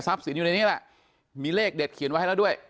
สินอยู่ในนี้แหละมีเลขเด็ดเขียนไว้ให้แล้วด้วย